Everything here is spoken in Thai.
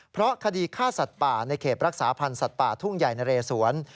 เพราะคดีฆ่าสัตว์ป่าในเขตรักษาพันธ์สัตว์ป่าทุ่งใหญ่นะเรสวน